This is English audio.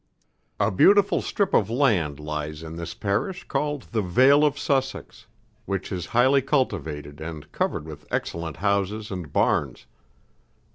A beautiful strip of land lies in this Parish called the Vale of Sussex, which is highly cultivated and covered with excellent houses and barns.